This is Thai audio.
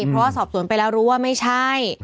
เพราะว่าสอบสวนไปแล้วรู้ว่าไม่ใช่